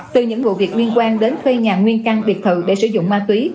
từ những vụ việc liên quan đến thuê nhà nguyên căn biệt thự để sử dụng ma túy